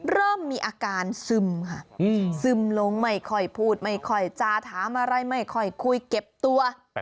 เริ่มมีอาการซึมค่ะซึมลงไม่ค่อยพูดไม่ค่อยจาถามอะไรไม่ค่อยคุยเก็บตัว